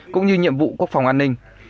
cũng như nhiệm vụ quốc phòng an ninh